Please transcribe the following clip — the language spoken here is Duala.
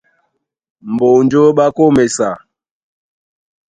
Mbonjó ɓá kôm esa,